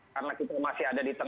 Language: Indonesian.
karena kita masih ada di tangerang